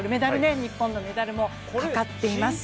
日本のメダルもかかっています。